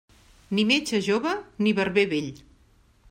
Ni metge jove ni barber vell.